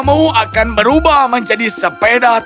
dan sepedamu akan berubah menjadi sepeda tua lagi